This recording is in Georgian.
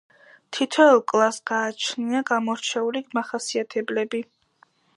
თითოეულ კლასს გააჩნია გამორჩეული მახასიათებლები.